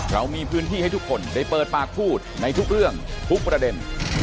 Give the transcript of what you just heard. เรามีพื้นที่ให้ทุกคนได้เปิดปากพูดในทุกเรื่องทุกประเด็น